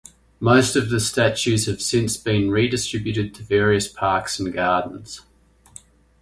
Most of the statues have since been redistributed to various parks and gardens.